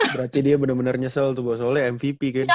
berarti dia benar benar nyesel tuh soalnya mvp kayaknya